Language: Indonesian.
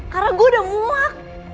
karena gue udah muak